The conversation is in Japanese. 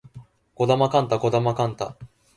児玉幹太児玉幹太